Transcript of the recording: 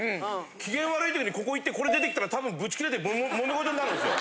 機嫌悪いときにここ行ってこれ出てきたら多分ブチ切れて揉めごとになるんですよ。